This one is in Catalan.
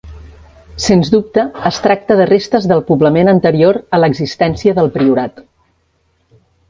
Sens dubte, es tracta de restes del poblament anterior a l'existència del priorat.